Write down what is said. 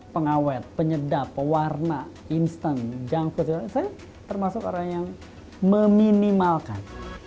pengawet penyedap pewarna instan junk food saya termasuk orang yang meminimalkan